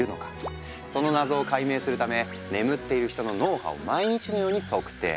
その謎を解明するため眠っている人の脳波を毎日のように測定。